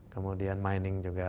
kemudian mining juga